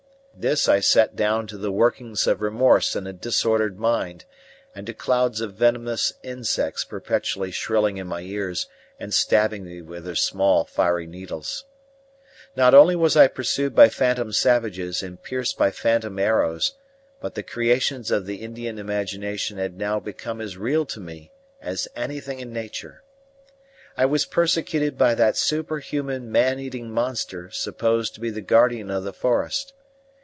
This I set down to the workings of remorse in a disordered mind and to clouds of venomous insects perpetually shrilling in my ears and stabbing me with their small, fiery needles. Not only was I pursued by phantom savages and pierced by phantom arrows, but the creations of the Indian imagination had now become as real to me as anything in nature. I was persecuted by that superhuman man eating monster supposed to be the guardian of the forest.